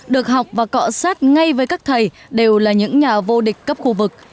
được học và cọ sát ngay với các thầy đều là những nhà vô địch cấp khu vực